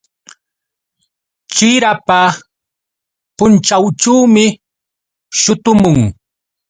Chirapa punćhawćhuumi shutumun.